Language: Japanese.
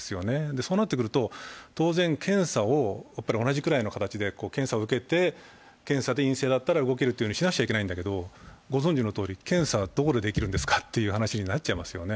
そうなってくると、当然同じくらいの形で検査を受けて、検査で陰性だったら動けるとしなきゃいけないんだけど、ご存じのように検査はどこでできるんですかという話になっちゃいますよね。